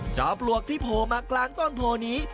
จอมปลวกที่โผมากลางต้นโผนี้